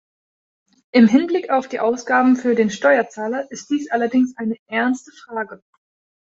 Im Hinblick auf die Ausgaben für den Steuerzahler ist dies allerdings eine ernste Frage.